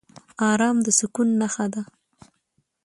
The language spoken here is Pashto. ارام د سکون نښه ده.